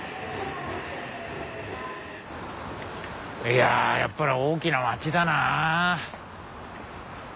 いややっぱり大きな街だな。